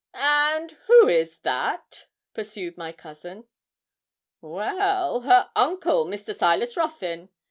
'And who is that?' pursued my cousin. 'Well, her uncle, Mr. Silas Ruthyn.